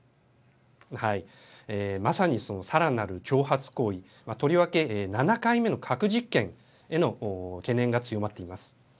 まさにさらなる挑発行為、とりわけ７回目の核実験への懸念が強まっています。